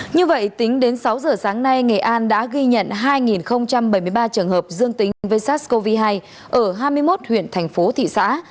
như vậy tính đến sáu giờ sáng nay nghệ an đã ghi nhận hai bảy mươi ba trường hợp dương tính với sars cov hai ở hai mươi một huyện thành phố thị xã